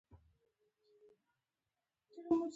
دوهم بریدمن په عسکر پسې را و نارې کړې: هې!